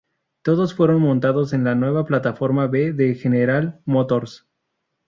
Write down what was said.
Todos fueron montados en la nueva plataforma B de General Motors.